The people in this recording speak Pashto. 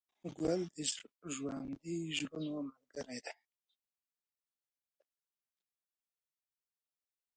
ګل د ژوندي زړونو ملګری دی.